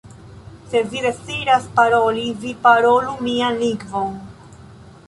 Se vi deziras paroli, vi parolu mian lingvon".